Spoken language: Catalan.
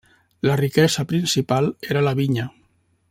La riquesa principal era la vinya.